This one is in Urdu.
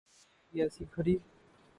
دیکھی ہے کبھی ایسی گھڑی